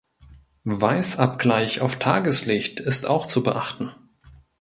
Weißabgleich auf Tageslicht ist auch zu beachten.